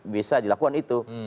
bisa dilakukan itu